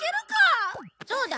そうだ。